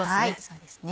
そうですね。